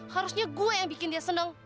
harusnya gue yang bikin dia senang